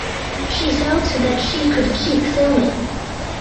She felt that she could keep filming.